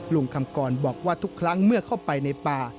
ลุงคำกรบอกว่าทุกครั้งเมื่อเข้าไปในป่า